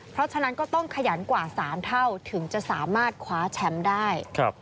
เพราะฉะนั้นก็ต้องขยันกว่า๓เท่าถึงจะสามารถคว้าแชมป์ได้